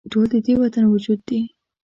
ټول د دې وطن وجود دي